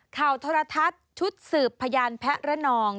โทรทัศน์ชุดสืบพยานแพะระนอง